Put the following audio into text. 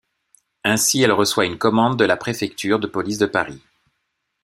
Ainsi elle reçoit une commande de de la préfecture de police de Paris.